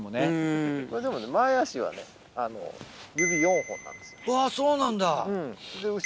うわそうなんだ。